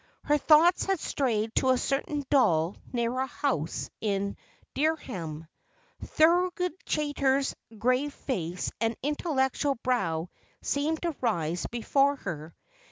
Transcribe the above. Her thoughts had strayed to a certain dull, narrow house in Dereham. Thorold Chaytor's grave face and intellectual brow seemed to rise before her.